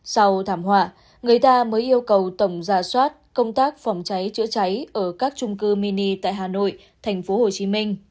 sau thảm họa người ta mới yêu cầu tổng ra soát công tác phòng cháy chữa cháy ở các trung cư mini tại hà nội tp hcm